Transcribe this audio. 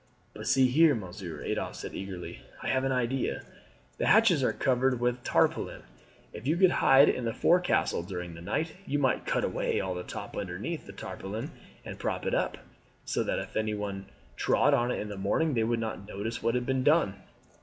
"But see here, monsieur," Adolphe said eagerly; "I have an idea! The hatches are covered with tarpaulin. If you could hide in the forecastle during the night you might cut away all the top underneath the tarpaulin and prop it up, so that if anyone trod on it in the morning they would not notice what had been done.